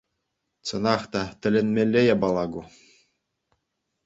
Чӑнах та, тӗлӗнмелле япала ку.